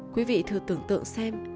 quý vị thử tưởng tượng xem